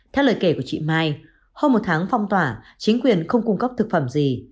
theo lời kể của chị mai hơn một tháng phong tỏa chính quyền không cung cấp thực phẩm gì